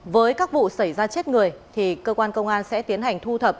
với các vụ xảy ra chết người thì cơ quan công an sẽ tiến hành thu thập